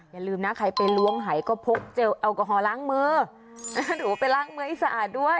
อย่าลืมนะใครไปล้วงหายก็พกเจลแอลกอฮอลล้างมือหรือว่าไปล้างมือให้สะอาดด้วย